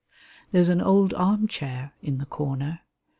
There's an old arm chair in the corner.